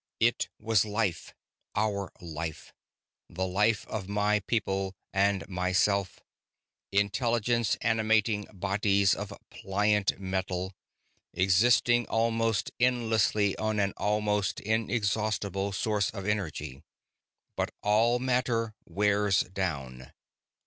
It was life, our life, the life of my people and myself, intelligence animating bodies of pliant metal, existing almost endlessly on an almost inexhaustible source of energy. "But all matter wears down.